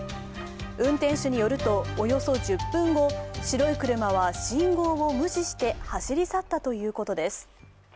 運転手によると、およそ１０分後白い車は信号を無視して走り去ったということです。